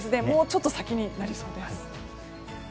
もうちょっと先になりそうです。